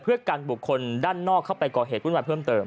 เพื่อการบุกคนด้านนอกเข้าไปก่อเหตุร่วนแวนเพื่องเติม